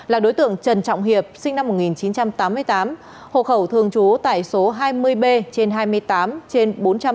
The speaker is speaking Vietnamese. là đối tượng trần trọng hiệp sinh năm một nghìn chín trăm tám mươi tám hộ khẩu thường trú tại số hai mươi b trên hai mươi tám trên bốn trăm bảy mươi